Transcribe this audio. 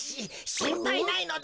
しんぱいないのだ。